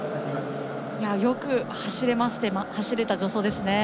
よく走れた助走ですね。